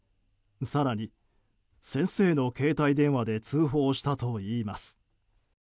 更に、先生の携帯電話で通報したといいます。